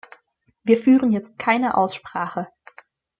Wir führen jetzt keine Aussprache.